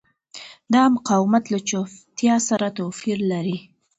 دا مقاومت له چوپتیا سره توپیر لري.